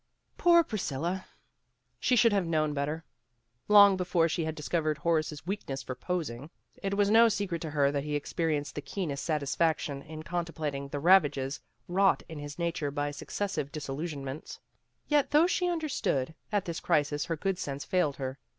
Poor Priscilla! She should have known better. Long before she had discovered Horace's weakness for posing. It was no secret to her that he experienced the keenest satisfaction in contemplating the ravages wrought in his nature by successive disillusion ments. Yet though she understood, at this crisis her good sense failed her.